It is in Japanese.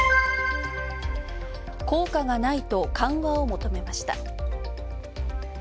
効果がないと緩和を求めました。